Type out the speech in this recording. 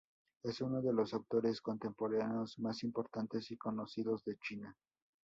Es uno de los autores contemporáneos más importantes y conocidos de China.